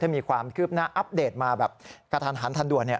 ถ้ามีความคืบหน้าอัปเดตมากระทันทันด่วน